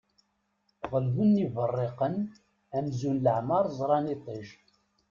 Ɣelben iberriqen amzun leɛmer ẓran iṭij.